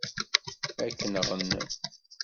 Ad k-nɣen.